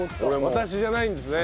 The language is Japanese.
私じゃないんですね。